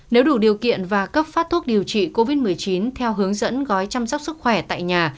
nếu đủ điều kiện và cấp phát thuốc điều trị covid một mươi chín theo hướng dẫn gói chăm sóc sức khỏe tại nhà